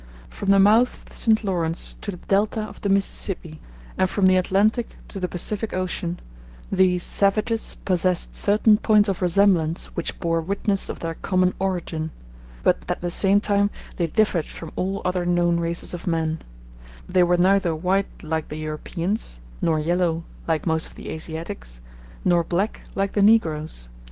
From the mouth of the St. Lawrence to the delta of the Mississippi, and from the Atlantic to the Pacific Ocean, these savages possessed certain points of resemblance which bore witness of their common origin; but at the same time they differed from all other known races of men: *g they were neither white like the Europeans, nor yellow like most of the Asiatics, nor black like the negroes.